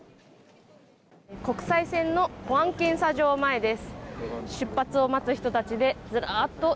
国際線の保安検査場前です。